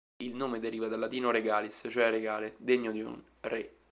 Il nome deriva dal latino "regalis", cioè regale, degno di un re.